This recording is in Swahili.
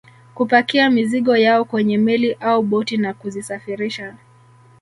Kupakia mizigo yao kwenye meli au boti na kuzisafirisha